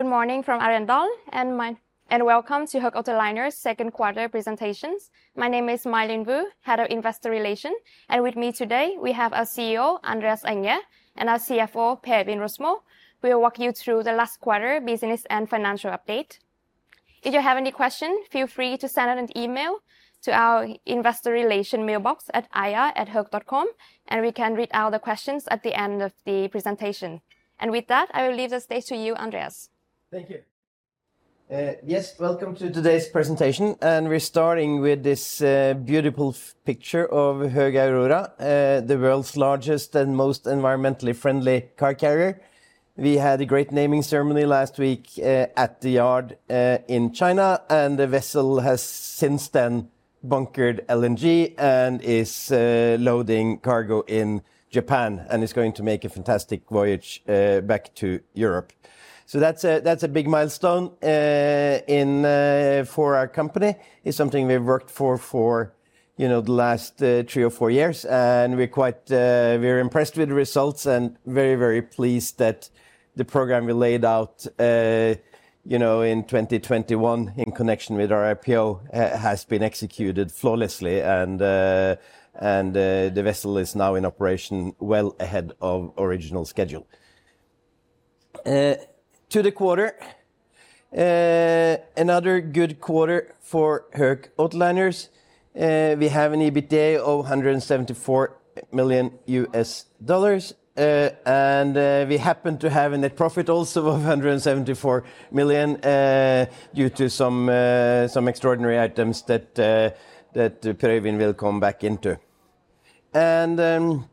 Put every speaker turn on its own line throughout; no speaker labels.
Good morning from Arendal, and welcome to Höegh Autoliners second quarter presentations. My name is My Linh Vu, head of investor relation, and with me today we have our CEO, Andreas Enger, and our CFO, Per Øivind Rosmo. We will walk you through the last quarter business and financial update. If you have any question, feel free to send an email to our investor relation mailbox at ir@hoegh.com, and we can read out the questions at the end of the presentation. And with that, I will leave the stage to you, Andreas.
Thank you. Yes, welcome to today's presentation, and we're starting with this beautiful picture of Höegh Aurora, the world's largest and most environmentally friendly car carrier. We had a great naming ceremony last week at the yard in China, and the vessel has since then bunkered LNG and is loading cargo in Japan, and is going to make a fantastic voyage back to Europe. So that's a big milestone for our company. It's something we've worked for, you know, the last three or four years, and we're quite impressed with the results and very, very pleased that the program we laid out, you know, in 2021 in connection with our IPO has been executed flawlessly. And the vessel is now in operation well ahead of original schedule. To the quarter, another good quarter for Höegh Autoliners. We have an EBITDA of $174 million. And we happen to have a net profit also of $174 million due to some extraordinary items that Per Øivind will come back into. You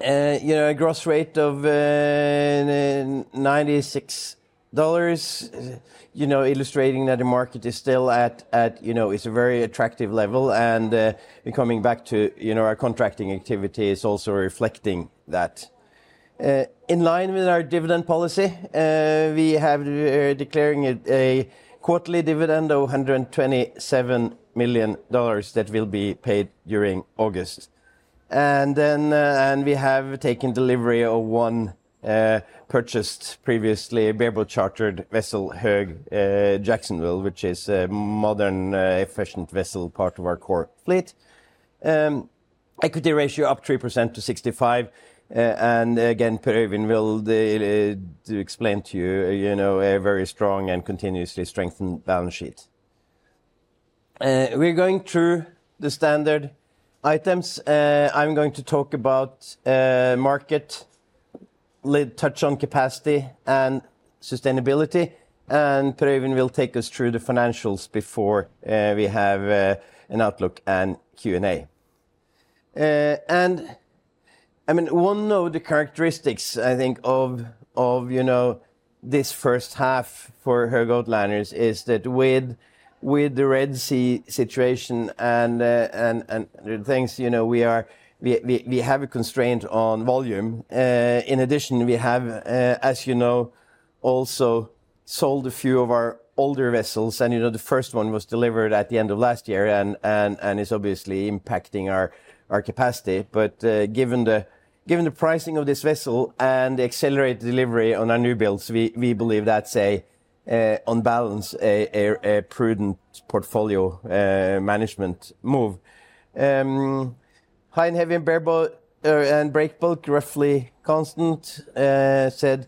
know, a gross rate of $96, you know, illustrating that the market is still at, it’s a very attractive level, and coming back to, you know, our contracting activity is also reflecting that. In line with our dividend policy, we have declaring a quarterly dividend of $127 million that will be paid during August. And then, and we have taken delivery of one, purchased, previously bareboat-chartered vessel, Höegh Jacksonville, which is a modern, efficient vessel, part of our core fleet. Equity ratio up 3% to 65, and again, Per Øivind will explain to you, you know, a very strong and continuously strengthened balance sheet. We're going through the standard items. I'm going to talk about market, little touch on capacity and sustainability, and Per Øivind will take us through the financials before we have an outlook and Q&A. And, I mean, one of the characteristics, I think, of, you know, this first half for Höegh Autoliners is that with the Red Sea situation and things, you know, we have a constraint on volume. In addition, we have, as you know, also sold a few of our older vessels, and, you know, the first one was delivered at the end of last year and is obviously impacting our capacity. But, given the pricing of this vessel and the accelerated delivery on our new builds, we believe that's a, on balance, a prudent portfolio management move. High and heavy and breakbulk, roughly constant, so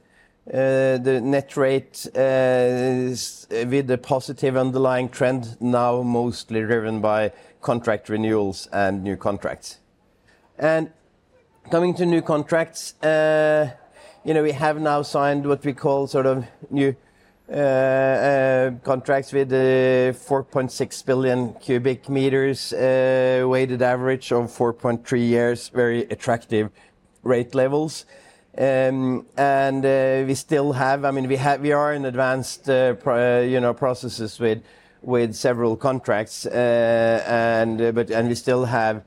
the net rate is with a positive underlying trend, now mostly driven by contract renewals and new contracts. Coming to new contracts, you know, we have now signed what we call sort of new contracts with 4.6 billion CBM, weighted average of 4.3 years, very attractive rate levels. We are in advanced, you know, processes with several contracts, and we still have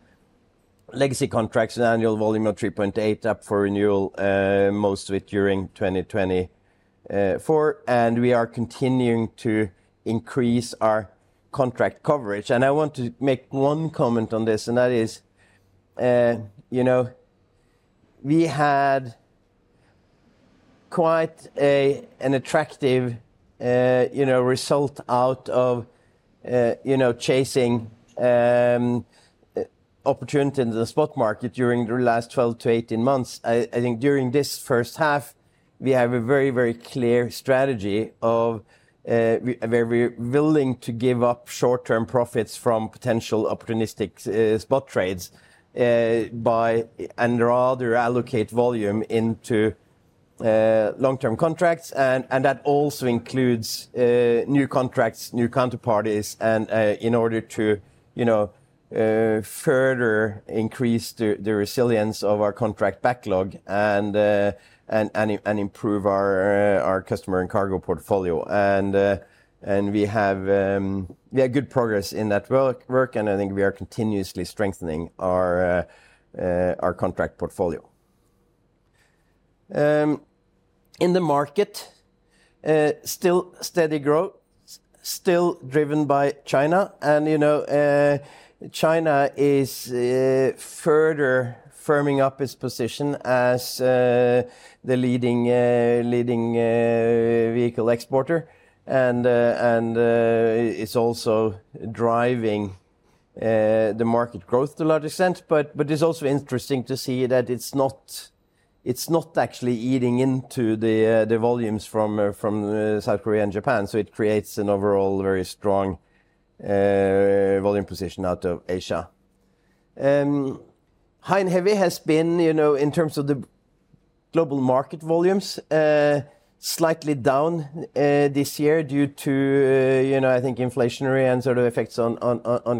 legacy contracts, an annual volume of 3.8 up for renewal, most of it during 2024, and we are continuing to increase our contract coverage. I want to make one comment on this, and that is, you know, we had quite an attractive, you know, result out of, you know, chasing opportunity in the spot market during the last 12-18 months. I think during this first half, we have a very, very clear strategy of where we're willing to give up short-term profits from potential opportunistic spot trades, but rather allocate volume into long-term contracts. That also includes new contracts, new counterparties, and in order to, you know, further increase the resilience of our contract backlog and improve our customer and cargo portfolio. And we have good progress in that work, and I think we are continuously strengthening our contract portfolio. In the market, still steady growth, still driven by China, and you know, China is further firming up its position as the leading vehicle exporter. And it's also driving the market growth to a large extent. But it's also interesting to see that it's not actually eating into the volumes from South Korea and Japan, so it creates an overall very strong volume position out of Asia. High and heavy has been, you know, in terms of the global market volumes, slightly down this year due to you know, I think inflationary and sort of effects on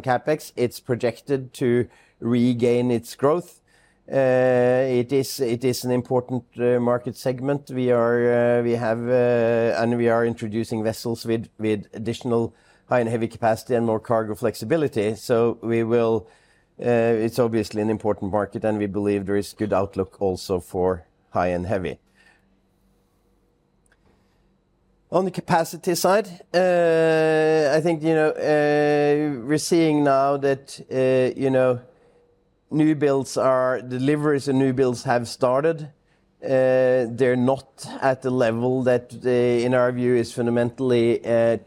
CapEx. It's projected to regain its growth. It is an important market segment. And we are introducing vessels with additional high and heavy capacity and more cargo flexibility, so we will, it's obviously an important market, and we believe there is good outlook also for high and heavy. On the capacity side, I think, you know, we're seeing now that, you know, new builds are deliveries, and new builds have started. They're not at the level that, in our view, is fundamentally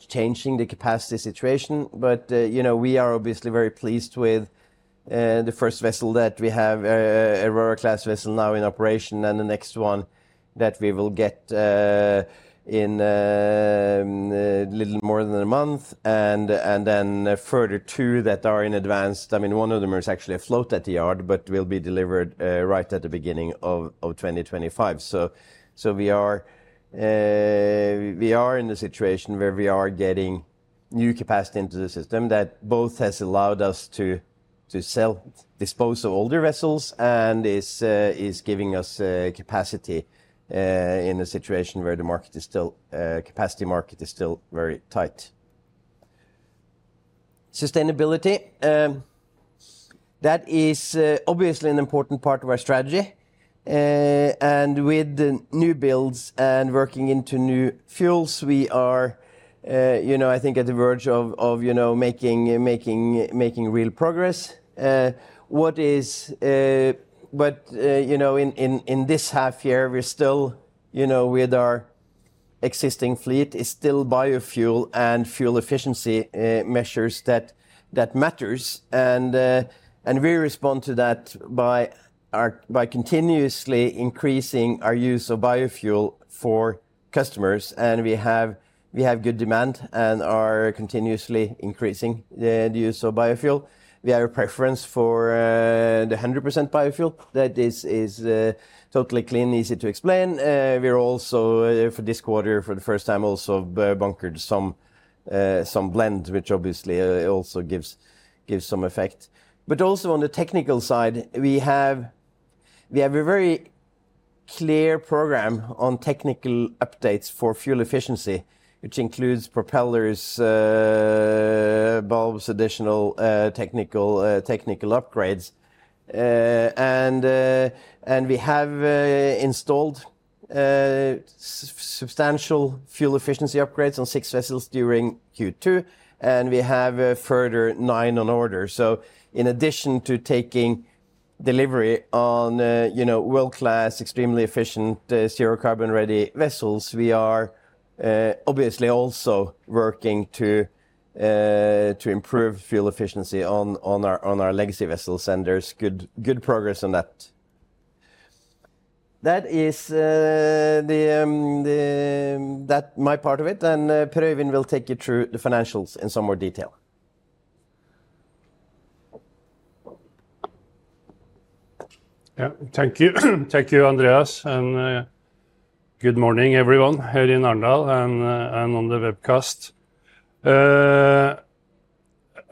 changing the capacity situation. But, you know, we are obviously very pleased with the first vessel that we have, an Aurora class vessel now in operation, and the next one that we will get in little more than a month, and then a further two that are in advanced. I mean, one of them is actually afloat at the yard, but will be delivered right at the beginning of 2025. So, we are in a situation where we are getting new capacity into the system that both has allowed us to sell, dispose of older vessels, and is giving us capacity in a situation where the market is still capacity market is still very tight. Sustainability, that is obviously an important part of our strategy. And with the new builds and working into new fuels, we are, you know, I think at the verge of, you know, making real progress. But, you know, in this half year, we're still, you know, with our existing fleet, is still biofuel and fuel efficiency measures that matters. And we respond to that by continuously increasing our use of biofuel for customers, and we have good demand and are continuously increasing the use of biofuel. We have a preference for the 100% biofuel that is totally clean, easy to explain. We are also, for this quarter, for the first time, bunkered some blend, which obviously also gives some effect. But also on the technical side, we have a very clear program on technical updates for fuel efficiency, which includes propellers, bulbs, additional technical upgrades. And we have installed substantial fuel efficiency upgrades on six vessels during Q2, and we have a further nine on order. So in addition to taking delivery on, you know, world-class, extremely efficient, zero carbon-ready vessels, we are obviously also working to improve fuel efficiency on our legacy vessels, and there's good progress on that. That's my part of it, and Per Øivind will take you through the financials in some more detail.
Yeah. Thank you. Thank you, Andreas, and good morning, everyone here in Arendal and on the webcast.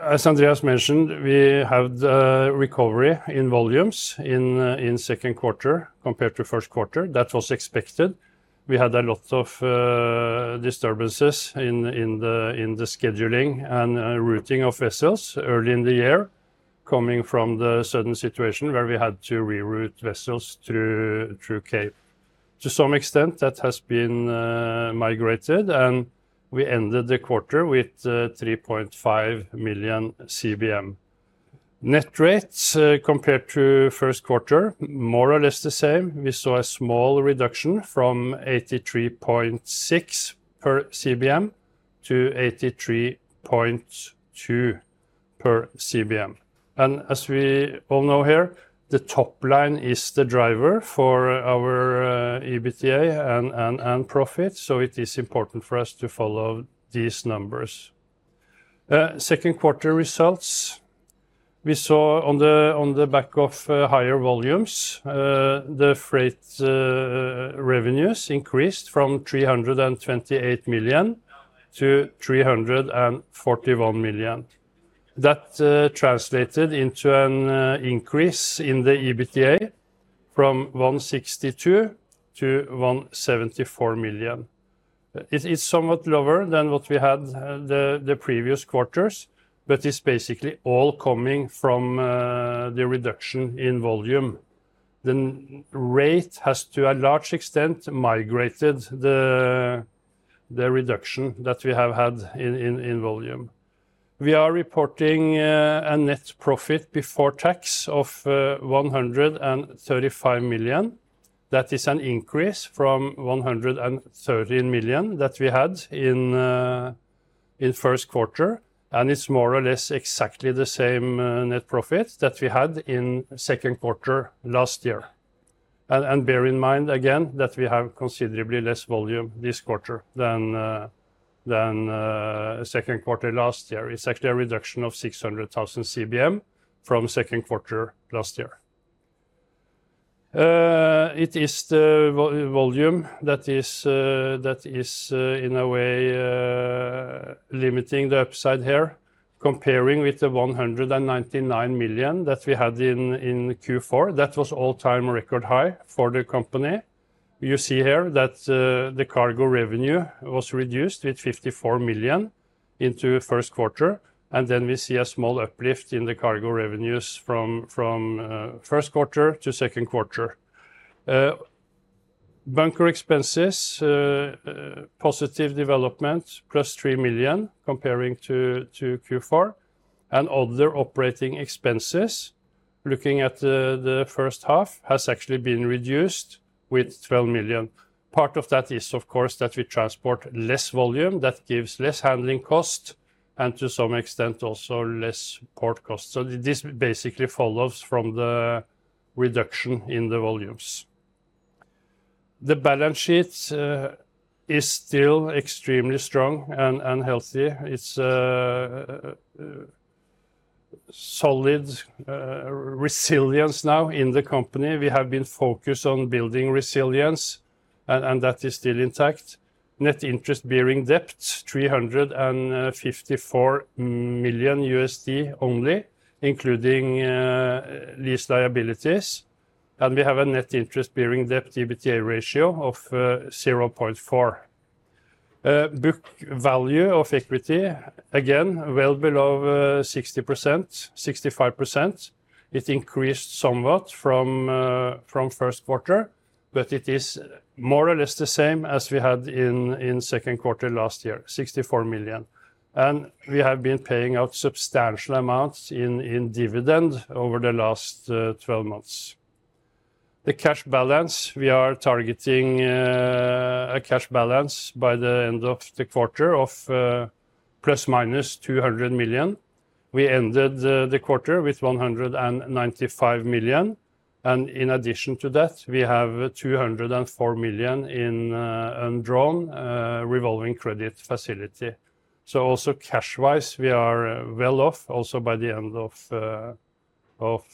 As Andreas mentioned, we have the recovery in volumes in second quarter compared to first quarter. That was expected. We had a lot of disturbances in the scheduling and routing of vessels early in the year, coming from the certain situation where we had to reroute vessels through Cape. To some extent, that has been migrated, and we ended the quarter with 3.5 million CBM. Net rates compared to first quarter, more or less the same. We saw a small reduction from $83.6 per CBM to $83.2 per CBM. As we all know here, the top line is the driver for our EBITDA and profit, so it is important for us to follow these numbers. Second quarter results, we saw on the back of higher volumes, the freight revenues increased from $328 million to $341 million. That translated into an increase in the EBITDA from $162 million to $174 million. It is somewhat lower than what we had the previous quarters, but it's basically all coming from the reduction in volume. The rate has, to a large extent, migrated the reduction that we have had in volume. We are reporting a net profit before tax of $135 million. That is an increase from $113 million that we had in first quarter, and it's more or less exactly the same net profit that we had in second quarter last year. And bear in mind, again, that we have considerably less volume this quarter than second quarter last year. It's actually a reduction of 600,000 CBM from second quarter last year. It is the volume that is, in a way, limiting the upside here, comparing with the $199 million that we had in Q4. That was all-time record high for the company. You see here that the cargo revenue was reduced with $54 million into first quarter, and then we see a small uplift in the cargo revenues from first quarter to second quarter. Bunker expenses, positive development, +$3 million comparing to Q4, and other operating expenses, looking at the first half, has actually been reduced with $12 million. Part of that is, of course, that we transport less volume, that gives less handling cost and to some extent, also less port cost. So this basically follows from the reduction in the volumes. The balance sheet is still extremely strong and healthy. It's a solid resilience now in the company. We have been focused on building resilience, and that is still intact. Net interest-bearing debt, $354 million only, including lease liabilities, and we have a net interest-bearing debt EBITDA ratio of 0.4. Book value of equity, again, well below 60%-65%. It increased somewhat from first quarter, but it is more or less the same as we had in second quarter last year, $64 million. And we have been paying out substantial amounts in dividend over the last 12 months. The cash balance, we are targeting a cash balance by the end of the quarter of ±$200 million. We ended the quarter with $195 million, and in addition to that, we have $204 million in undrawn revolving credit facility. So also, cash-wise, we are well off, also by the end of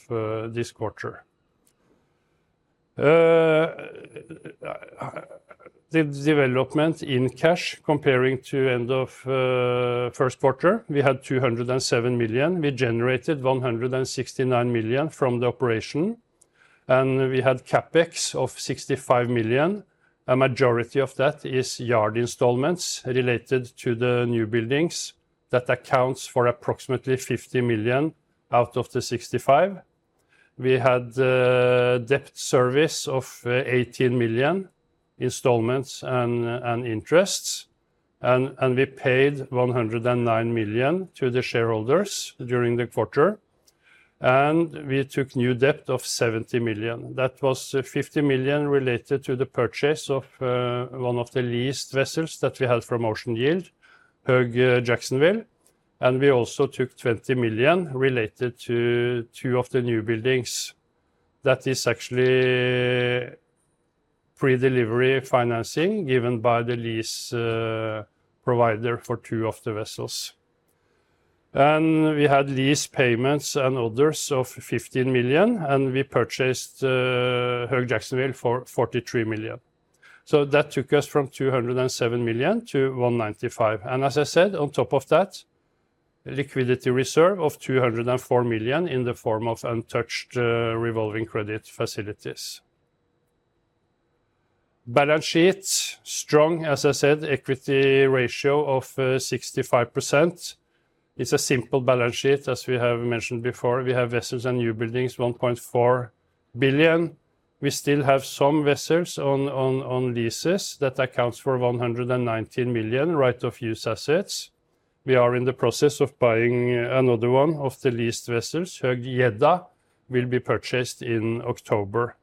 this quarter. The development in cash, comparing to end of first quarter, we had $207 million. We generated $169 million from the operation, and we had CapEx of $65 million. A majority of that is yard installments related to the new buildings. That accounts for approximately $50 million out of the $65 million. We had debt service of $18 million installments and interests, and we paid $109 million to the shareholders during the quarter, and we took new debt of $70 million. That was $50 million related to the purchase of one of the leased vessels that we had from Ocean Yield, Höegh Jacksonville, and we also took $20 million related to two of the new buildings. That is actually pre-delivery financing given by the lease provider for two of the vessels. And we had lease payments and others of $15 million, and we purchased Höegh Jacksonville for $43 million. So that took us from $207 million to $195 million, and as I said, on top of that, liquidity reserve of $204 million in the form of untouched revolving credit facilities. Balance sheet, strong, as I said, equity ratio of 65%. It's a simple balance sheet as we have mentioned before, we have vessels and new buildings, $1.4 billion. We still have some vessels on leases that accounts for $119 million right of use assets. We are in the process of buying another one of the leased vessels, Höegh Jeddah, will be purchased in October.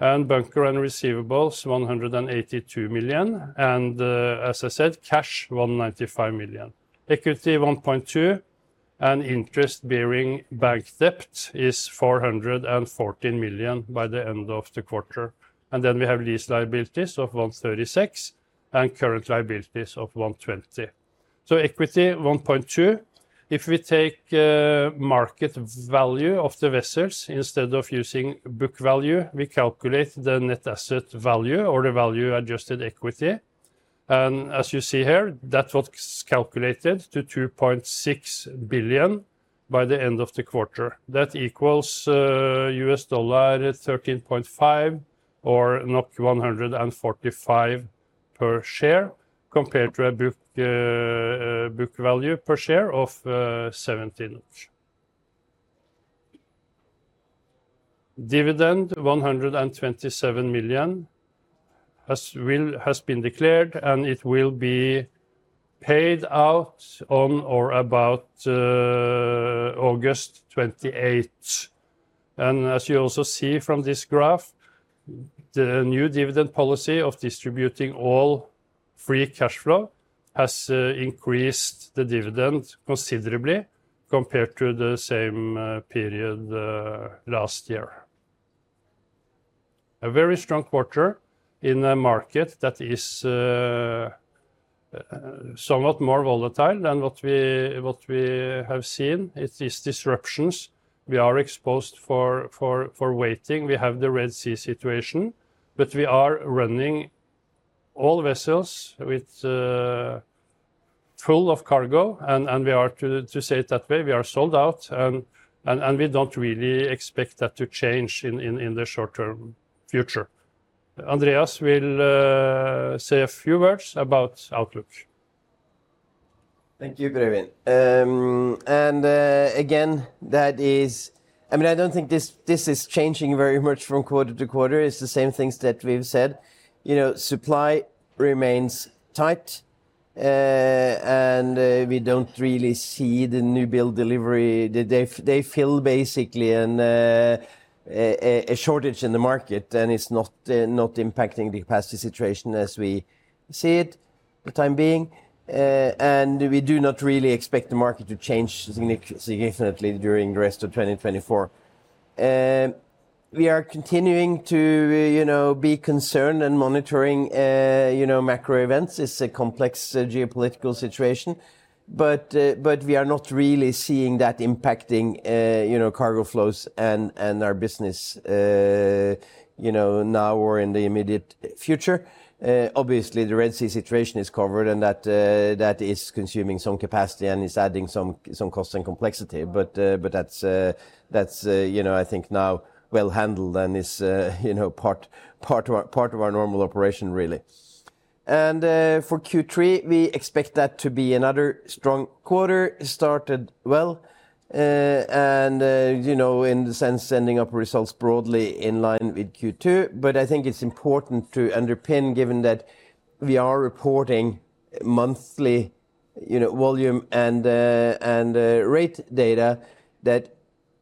And bunker and receivables, $182 million, and, as I said, cash, $195 million. Equity, $1.2 billion, and interest-bearing bank debt is $414 million by the end of the quarter. Then we have lease liabilities of $136 million and current liabilities of $120 million. So equity, $1.2 billion. If we take market value of the vessels instead of using book value, we calculate the net asset value or the value-adjusted equity, and as you see here, that was calculated to $2.6 billion by the end of the quarter. That equals $13.5 or 145 per share compared to a book value per share of 17. Dividend $127 million has been declared, and it will be paid out on or about August 28th. As you also see from this graph, the new dividend policy of distributing all free cash flow has increased the dividend considerably compared to the same period last year. A very strong quarter in a market that is somewhat more volatile than what we, what we have seen. It is disruptions. We are exposed for waiting. We have the Red Sea situation, but we are running all vessels with full of cargo, and we are to say it that way, we are sold out, and we don't really expect that to change in the short-term future. Andreas will say a few words about outlook.
Thank you, Per Øivind. Again, that is, I mean, I don't think this is changing very much from quarter to quarter. It's the same things that we've said. You know, supply remains tight, and we don't really see the new build delivery. They fill basically a shortage in the market, and it's not impacting the capacity situation as we see it the time being. And we do not really expect the market to change significantly during the rest of 2024. We are continuing to, you know, be concerned and monitoring, you know, macro events. It's a complex geopolitical situation, but we are not really seeing that impacting, you know, cargo flows and our business, you know, now or in the immediate future. Obviously, the Red Sea situation is covered, and that is consuming some capacity and is adding some cost and complexity. But that's, you know, I think now well handled and is, you know, part of our normal operation really. For Q3, we expect that to be another strong quarter. It started well, you know, in the sense ending up results broadly in line with Q2. But I think it's important to underpin, given that we are reporting monthly, you know, volume and rate data.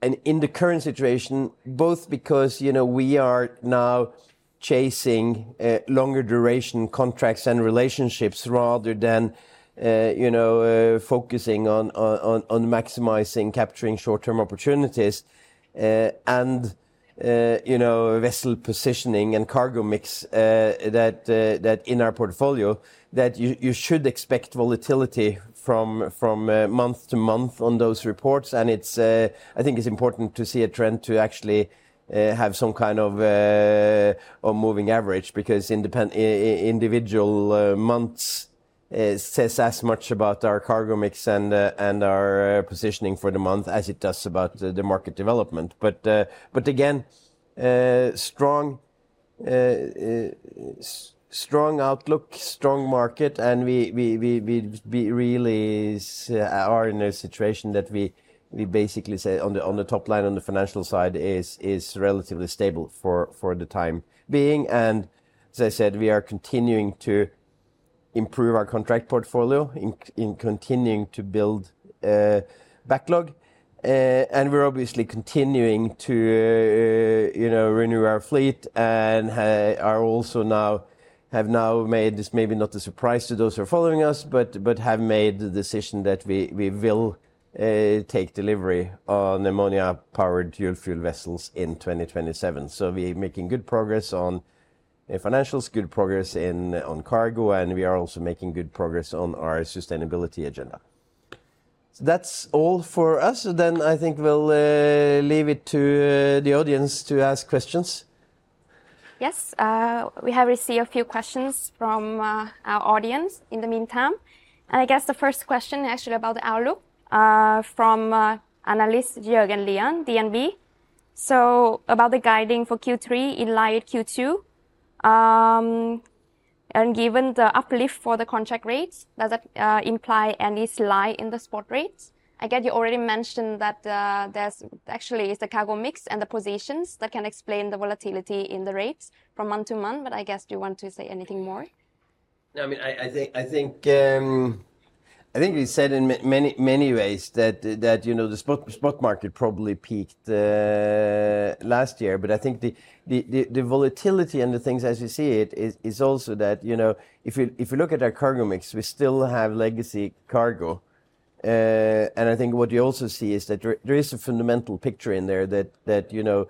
In the current situation, both because, you know, we are now chasing longer duration contracts and relationships rather than, you know, focusing on maximizing, capturing short-term opportunities, and, you know, vessel positioning and cargo mix, that in our portfolio, that you should expect volatility from month to month on those reports. And it's, I think it's important to see a trend to actually have some kind of moving average, because individual months says as much about our cargo mix and our positioning for the month as it does about the market development. But again, strong outlook, strong market, and we really are in a situation that we basically say on the top line, on the financial side, is relatively stable for the time being. And as I said, we are continuing to improve our contract portfolio and continuing to build backlog. And we're obviously continuing to, you know, renew our fleet, and have now made this maybe not a surprise to those who are following us, but have made the decision that we will take delivery on ammonia-powered dual-fuel vessels in 2027. So we're making good progress on financials, good progress on cargo, and we are also making good progress on our sustainability agenda. So that's all for us. Then I think we'll leave it to the audience to ask questions.
Yes, we have received a few questions from our audience in the meantime, and I guess the first question is actually about the outlook from analyst Jørgen Lian, DNB. So about the guiding for Q3 in light of Q2, and given the uplift for the contract rates, does that imply any slide in the spot rates? I get you already mentioned that, there's actually the cargo mix and the positions that can explain the volatility in the rates from month to month, but I guess, do you want to say anything more?
No, I mean, I think we said in many, many ways that, you know, the spot market probably peaked last year. But I think the volatility and the things as you see it is also that, you know, if you look at our cargo mix, we still have legacy cargo. And I think what you also see is that there is a fundamental picture in there that, you know,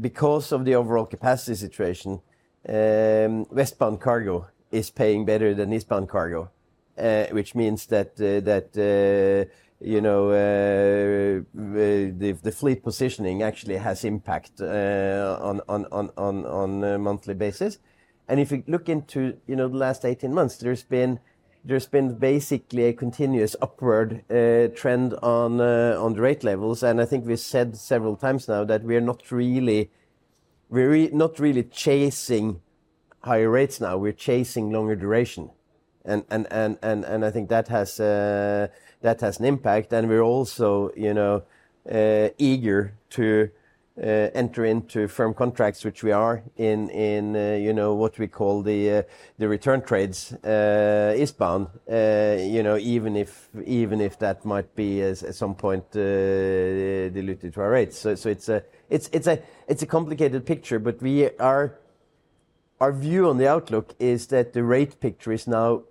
because of the overall capacity situation, westbound cargo is paying better than eastbound cargo, which means that, you know, the fleet positioning actually has impact on a monthly basis. And if you look into, you know, the last 18 months, there's been, there's been basically a continuous upward trend on the rate levels. And I think we've said several times now that we are not really chasing higher rates now, we're chasing longer duration. And I think that has an impact. And we're also, you know, eager to enter into firm contracts, which we are in, you know, what we call the return trades eastbound. You know, even if, even if that might be as at some point diluted to our rates. So it's a complicated picture, but our view on the outlook is that the rate picture is now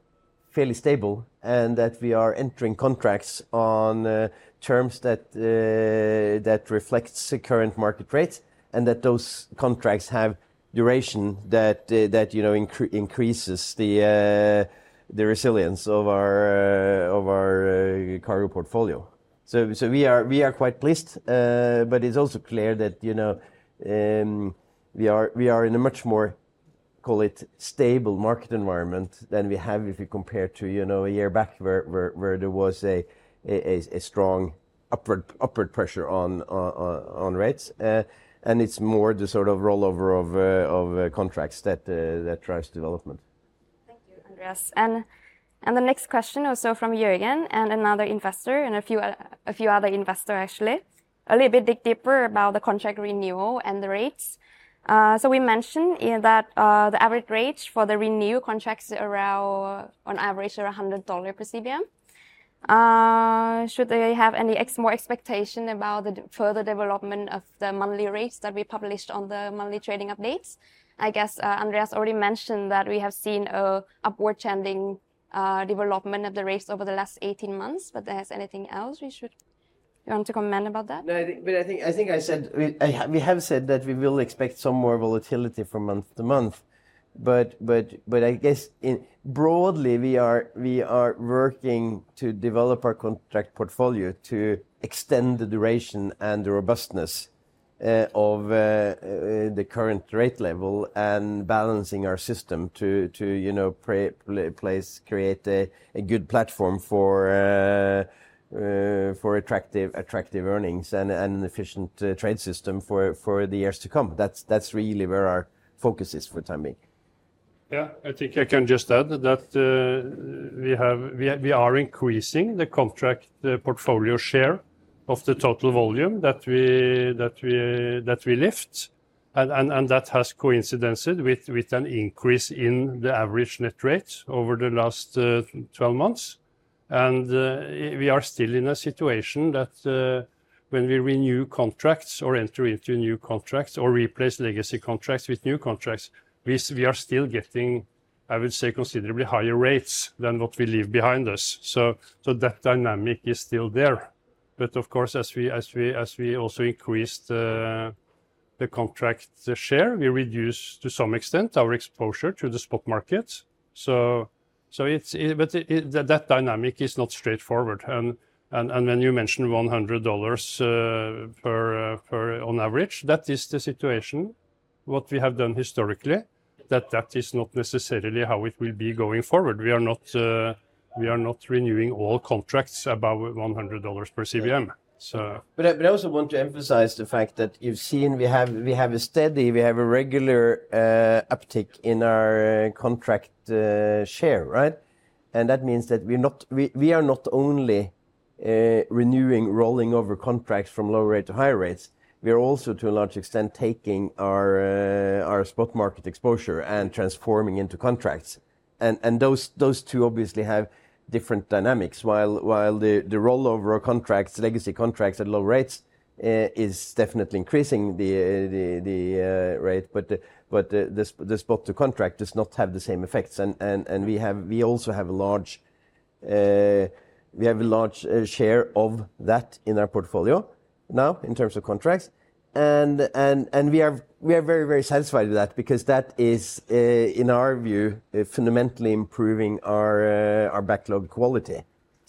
fairly stable, and that we are entering contracts on terms that reflects the current market rates, and that those contracts have duration that, you know, increases the resilience of our cargo portfolio. So we are quite pleased. But it's also clear that, you know, we are in a much more, call it, stable market environment than we have if you compare to a year back where there was a strong upward pressure on rates. And it's more the sort of rollover of contracts that drives development.
Thank you, Andreas. The next question also from Jørgen and another investor, and a few other investor, actually. A little bit dig deeper about the contract renewal and the rates. So we mentioned in that, the average rates for the renewal contracts are around, on average, around $100 per CBM. Should they have any more expectation about the further development of the monthly rates that we published on the monthly trading updates? I guess, Andreas already mentioned that we have seen a upward trending development of the rates over the last 18 months, but there is anything else we should. You want to comment about that?
No, I think I said, we have said that we will expect some more volatility from month to month. I guess in broadly, we are working to develop our contract portfolio to extend the duration and the robustness of the current rate level, and balancing our system to, you know, create a good platform for attractive earnings and an efficient trade system for the years to come. That's really where our focus is for the time being.
Yeah, I think I can just add that we have. We are increasing the contract portfolio share of the total volume that we lift. And that has coincidences with an increase in the average net rate over the last 12 months. And we are still in a situation that when we renew contracts or enter into new contracts or replace legacy contracts with new contracts, we are still getting, I would say, considerably higher rates than what we leave behind us. So that dynamic is still there. But of course, as we also increase the contract share, we reduce, to some extent, our exposure to the spot market. So it's but it, that dynamic is not straightforward. When you mention $100 per on average, that is the situation, what we have done historically, that is not necessarily how it will be going forward. We are not renewing all contracts above $100 per CBM.
But I also want to emphasize the fact that you've seen we have a steady, regular uptick in our contract share, right? And that means that we're not only renewing, rolling over contracts from low rate to higher rates, we are also to a large extent taking our spot market exposure and transforming into contracts. And those two obviously have different dynamics. While the rollover of contracts, legacy contracts at low rates, is definitely increasing the rate, but the spot to contract does not have the same effects. And we also have a large share of that in our portfolio now, in terms of contracts. We are very, very satisfied with that because that is, in our view, fundamentally improving our backlog quality.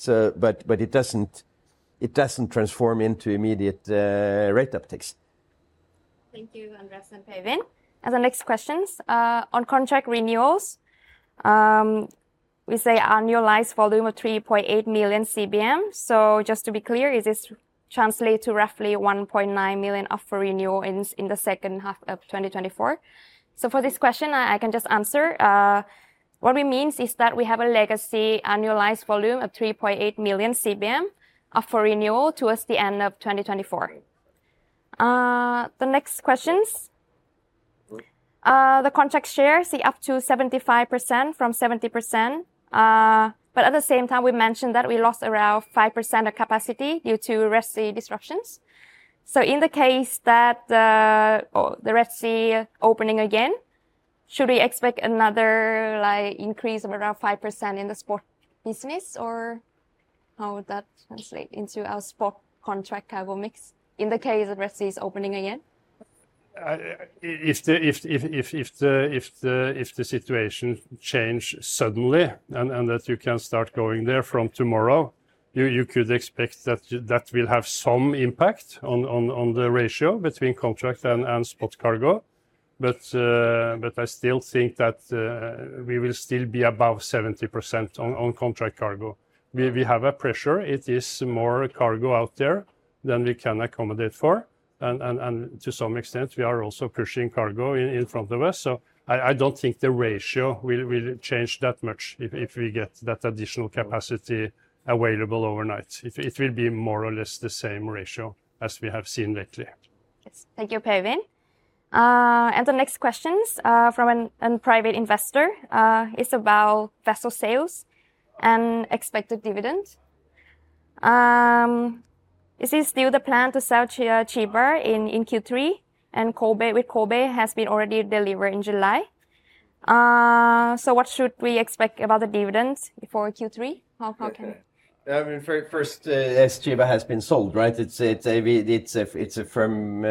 But it doesn't transform into immediate rate upticks.
Thank you, Andreas and Per Øivind. The next questions on contract renewals, we say annualized volume of 3.8 million CBM. Just to be clear, is this translate to roughly 1.9 million CBM up for renewal in the second half of 2024? For this question, I can just answer. What we means is that we have a legacy annualized volume of 3.8 million CBM up for renewal towards the end of 2024. The next questions, the contract share see up to 75% from 70%. At the same time, we mentioned that we lost around 5% of capacity due to Red Sea disruptions. In the case that the Red Sea opening again, should we expect another, like, increase of around 5% in the spot business, or how would that translate into our spot contract cargo mix in the case the Red Sea is opening again?
If the situation change suddenly, and that you can start going there from tomorrow, you could expect that will have some impact on the ratio between contract and spot cargo. But I still think that we will still be above 70% on contract cargo. We have a pressure. It is more cargo out there than we can accommodate for, and to some extent, we are also pushing cargo in front of us. So I don't think the ratio will change that much if we get that additional capacity available overnight. It will be more or less the same ratio as we have seen lately.
Yes. Thank you, Per Øivind. And the next questions from a private investor is about vessel sales and expected dividend. Is it still the plan to sell Chiba in Q3, and Kobe, with Kobe has been already delivered in July? So what should we expect about the dividends for Q3?
I mean, very first, yes, Chiba has been sold, right? It's a firm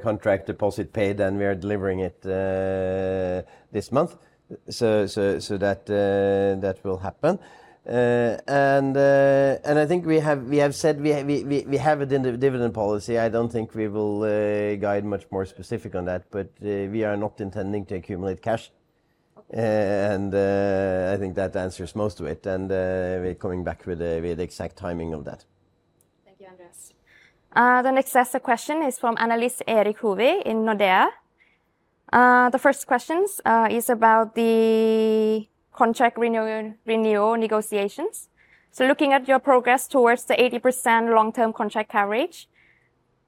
contract deposit paid, and we are delivering it this month. So that will happen. And I think we have said we have it in the dividend policy. I don't think we will guide much more specific on that, but we are not intending to accumulate cash.
Okay.
I think that answers most of it, and we're coming back with the exact timing of that.
Thank you, Andreas. The next set of question is from analyst Erik Hovi in Nordea. The first questions is about the contract renewal negotiations. "So looking at your progress towards the 80% long-term contract coverage,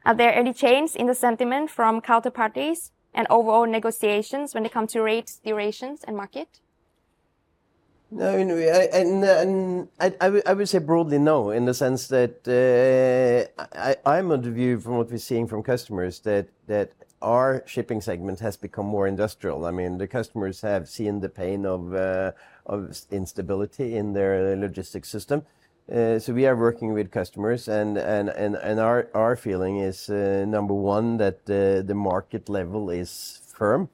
are there any change in the sentiment from counterparties and overall negotiations when it comes to rates, durations, and market?
No, I would say broadly no, in the sense that, I, I'm of the view from what we're seeing from customers that that our shipping segment has become more industrial. I mean, the customers have seen the pain of of instability in their logistics system. So we are working with customers, and our feeling is, number one, that the market level is firm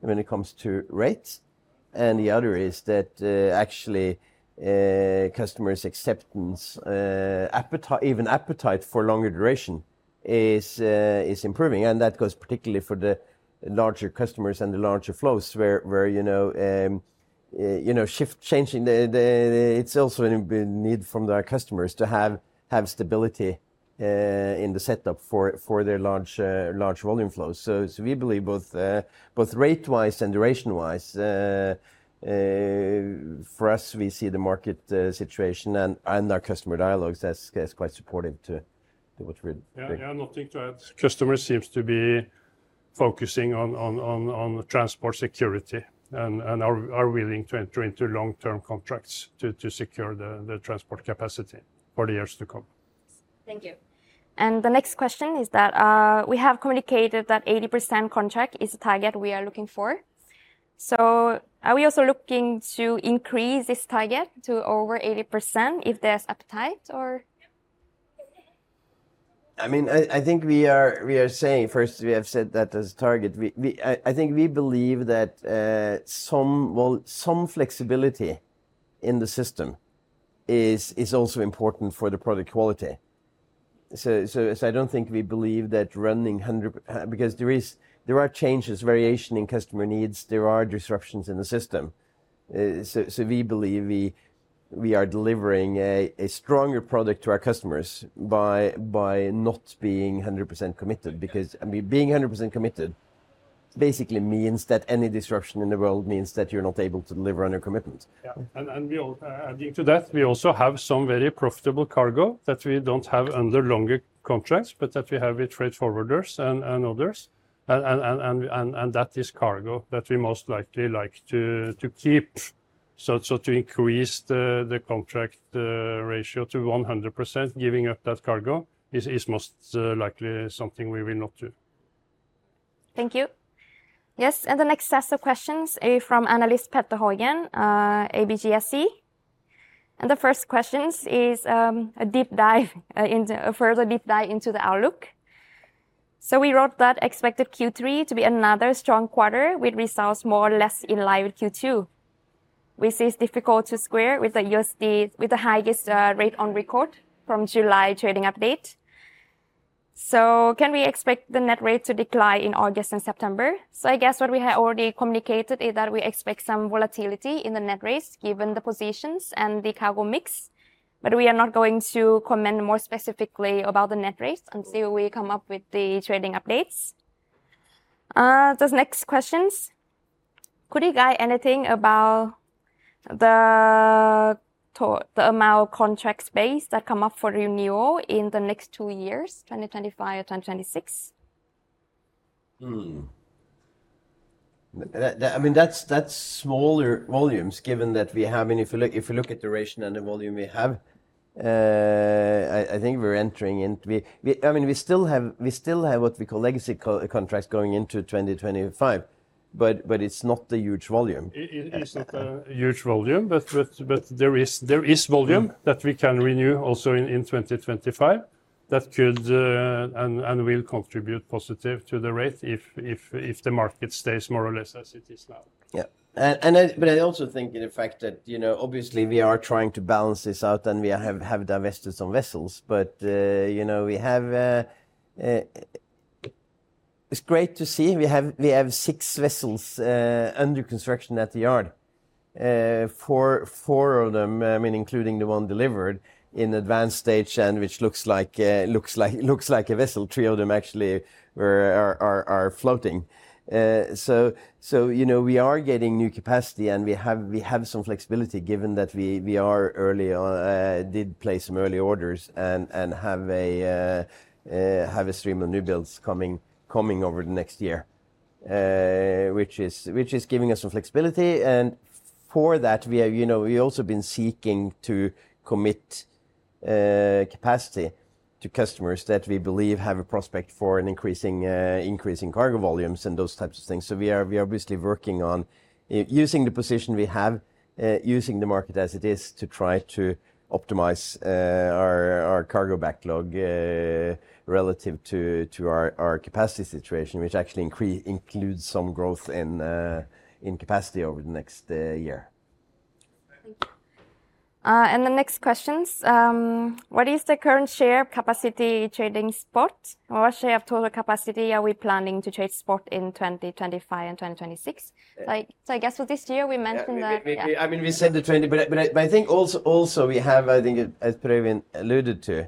when it comes to rates, and the other is that, actually, customers' acceptance, appetite, even appetite for longer duration is improving, and that goes particularly for the larger customers and the larger flows where you know, shift-changing. It's also a need from our customers to have stability in the setup for their large volume flows. So we believe both rate-wise and duration-wise, for us, we see the market situation and our customer dialogues as quite supportive to what we're.
Yeah, yeah, nothing to add. Customers seems to be focusing on transport security and are willing to enter into long-term contracts to secure the transport capacity for the years to come.
Thank you. And the next question is that, we have communicated that 80% contract is a target we are looking for. So are we also looking to increase this target to over 80% if there's appetite, or?
I mean, I think we are saying, first, we have said that as a target. I think we believe that, well, some flexibility in the system is also important for the product quality. So I don't think we believe that running 100%, because there are changes, variation in customer needs. There are disruptions in the system. So we believe we are delivering a stronger product to our customers by not being 100% committed, because, I mean, being 100% committed basically means that any disruption in the world means that you're not able to deliver on your commitment.
Yeah, and we are adding to that, we also have some very profitable cargo that we don't have under longer contracts, but that we have with trade forwarders and others, and that is cargo that we most likely like to keep. So to increase the contract ratio to 100%, giving up that cargo is most likely something we will not do.
Thank you. Yes, and the next set of questions are from analyst Petter Haugen, ABG SC. And the first questions is, a deep dive into, a further deep dive into the outlook. "So we wrote that expected Q3 to be another strong quarter with results more or less in line with Q2, which is difficult to square with the USD, with the highest rate on record from July trading update. So can we expect the net rate to decline in August and September?" So I guess what we had already communicated is that we expect some volatility in the net rates, given the positions and the cargo mix, but we are not going to comment more specifically about the net rates until we come up with the trading updates. The next questions: "Could you guide anything about the amount of contracts base that come up for renewal in the next two years, 2025, 2026?
Hmm. That, I mean, that's smaller volumes, given that we have, and if you look at duration and the volume we have, I think we're entering into. I mean, we still have what we call legacy contracts going into 2025, but it's not a huge volume.
It isn't a huge volume, but there is volume that we can renew also in 2025, that could and will contribute positive to the rate if the market stays more or less as it is now.
Yeah. But I also think the fact that, you know, obviously we are trying to balance this out, and we have divested some vessels, but, you know, we have, it’s great to see. We have six vessels under construction at the yard. Four of them, I mean, including the one delivered, in advanced stage, and which looks like a vessel. Three of them actually are floating. So, you know, we are getting new capacity, and we have some flexibility given that we are early on did place some early orders and have a stream of new builds coming over the next year. which is giving us some flexibility, and for that we have, you know, we've also been seeking to commit capacity to customers that we believe have a prospect for an increasing increasing cargo volumes and those types of things. So we are, we are obviously working on using the position we have, using the market as it is to try to optimize our, our cargo backlog relative to, to our, our capacity situation, which actually includes some growth in capacity over the next year.
Thank you. And the next questions: "What is the current share capacity trading spot, or what share of total capacity are we planning to trade spot in 2025 and 2026?" So I guess for this year we mentioned that.
Yeah, I mean, we said. But I think also we have, I think, as Per Øivind alluded to,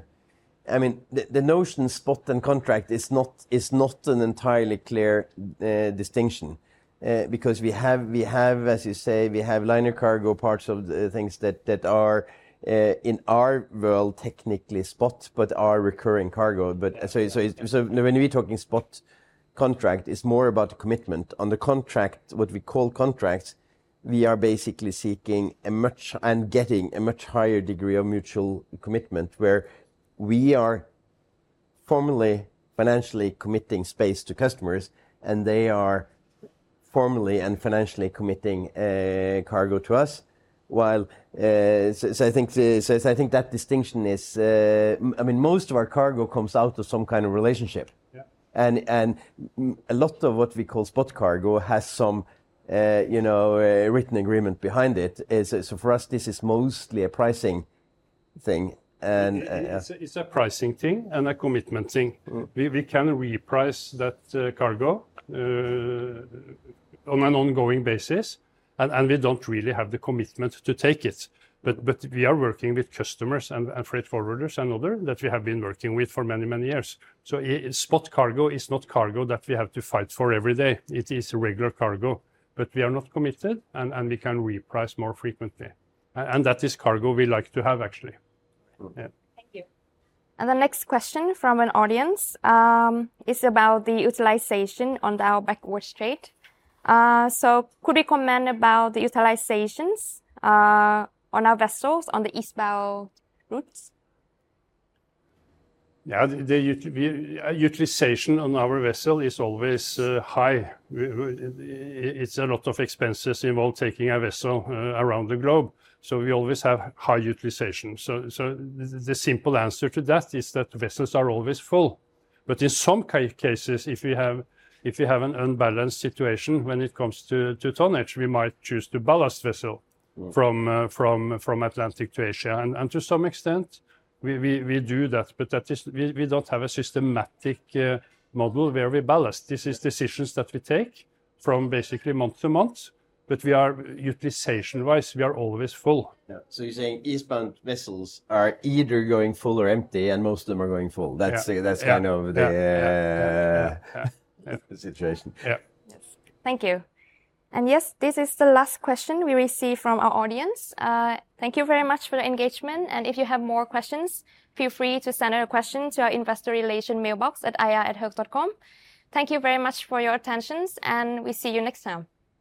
I mean, the notion spot and contract is not an entirely clear distinction. Because we have, as you say, we have liner cargo, parts of the things that are in our world, technically spot, but are recurring cargo. But when we're talking spot contract, it's more about the commitment. On the contract, what we call contracts, we are basically seeking a much, and getting a much higher degree of mutual commitment, where we are formally, financially committing space to customers, and they are formally and financially committing cargo to us. So I think that distinction is, I mean, most of our cargo comes out of some kind of relationship.
Yeah.
A lot of what we call spot cargo has some, you know, a written agreement behind it. It's so for us, this is mostly a pricing thing.
It's a pricing thing and a commitment thing.
Mm.
We can reprice that cargo on an ongoing basis, and we don't really have the commitment to take it. But we are working with customers and freight forwarders and others that we have been working with for many, many years. So spot cargo is not cargo that we have to fight for every day. It is regular cargo, but we are not committed, and we can reprice more frequently. And that is cargo we like to have, actually.
Mm.
Yeah.
Thank you. The next question from an audience is about the utilization on our backwards trade. Could we comment about the utilizations on our vessels on the eastbound routes?
Yeah, the utilization on our vessel is always high. It's a lot of expenses involved taking a vessel around the globe, so we always have high utilization. So the simple answer to that is that vessels are always full. But in some cases, if you have an unbalanced situation when it comes to tonnage, we might choose to ballast vesse from Atlantic to Asia. And, to some extent, we do that, but that is, we don't have a systematic model where we ballast.
Yeah.
This is decisions that we take from basically month to month, but we are, utilization-wise, we are always full.
Yeah, so you're saying eastbound vessels are either going full or empty, and most of them are going full.
Yeah.
That's kind of the.
Yeah, yeah, yeah
The situation.
Yeah.
Yes. Thank you. Yes, this is the last question we receive from our audience. Thank you very much for the engagement, and if you have more questions, feel free to send out a question to our investor relations mailbox at ir@hoegh.com. Thank you very much for your attention, and we see you next time.